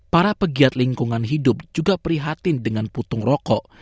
para pegiat lingkungan hidup juga prihatin dengan putung rokok